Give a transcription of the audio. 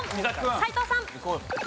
斎藤さん。